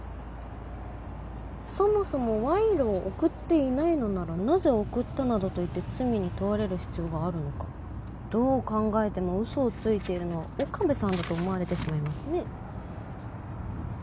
そもそも賄賂を贈っていないのならなぜ贈ったなどと言って罪に問われる必要があるのかどう考えても嘘をついているのは岡部さんだと思われてしまいますね